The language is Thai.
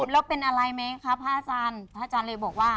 แล้วเป็นอะไรไหมครับพระอาจารย์